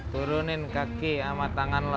turunin kaki sama tangan